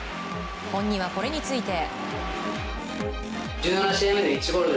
本人はこれについて。